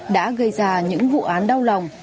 đã gây ra những vụ án đau lòng